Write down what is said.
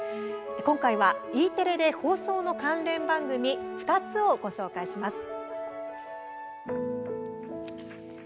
今回はＥテレで放送の関連番組２つをご紹介します。